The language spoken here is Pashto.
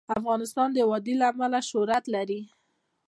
افغانستان د وادي له امله شهرت لري.